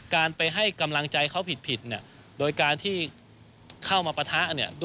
การไปให้กำลังใจเขาผิดเนี่ยโดยการที่เข้ามาปะทะเนี่ย